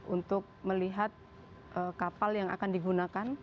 untuk melihat kapal yang akan digunakan